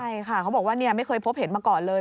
ใช่ค่ะเขาบอกว่าไม่เคยพบเห็นมาก่อนเลย